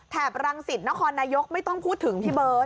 บรังสิตนครนายกไม่ต้องพูดถึงพี่เบิร์ต